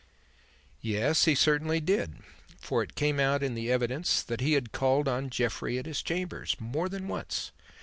"Yes, he certainly did; for it came out in the evidence that he had called on Jeffrey at his chambers more than once.